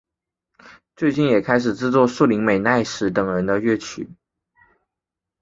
最近也开始制作栗林美奈实等人的乐曲。